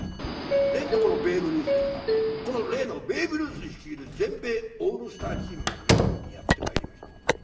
このベーブ・ルースですがこの例のベーブ・ルース率いる全米オールスターチームが日本にやって参りまして。